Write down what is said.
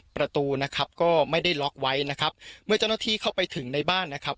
ประตูนะครับก็ไม่ได้ล็อกไว้นะครับเมื่อเจ้าหน้าที่เข้าไปถึงในบ้านนะครับ